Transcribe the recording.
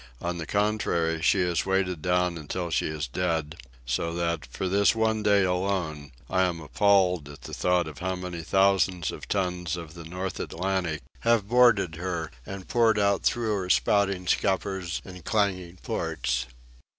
On the contrary, she is weighted down until she is dead, so that, for this one day alone, I am appalled at the thought of how many thousands of tons of the North Atlantic have boarded her and poured out through her spouting scuppers and clanging ports.